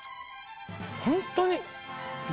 ホントに。